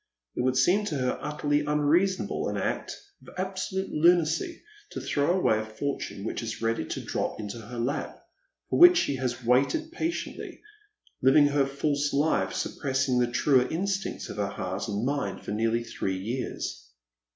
It would seem to hci utterly unreasonable, an act of absolute lunacy to throw away a fortune which is ready to drop into her lap, for which she has "waited patiently, hving her false life, suppressing the truer instincts of her heart and mind for nearly three years.